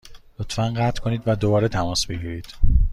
لطفا قطع کنید و دوباره تماس بگیرید.